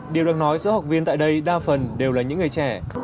điều được nói số học viên tại đây đa phần đều là những người trẻ